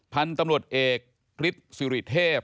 พันธุ์ตำรวจเอกคริสศิริเทพฯ